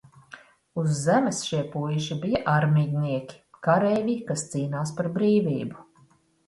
Uz Zemes šie puiši bija armijnieki, kareivji, kas cīnās par brīvību.